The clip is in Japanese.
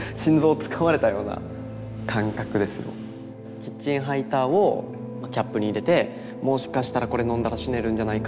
キッチンハイターをキャップに入れてもしかしたらこれ飲んだら死ねるんじゃないか。